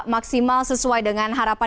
maksimal sesuai dengan harapan